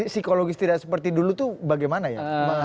psikologis tidak seperti dulu itu bagaimana ya